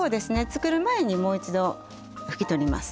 作る前にもう一度拭き取ります。